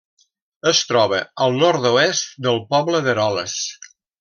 Es troba al nord-oest del poble d'Eroles.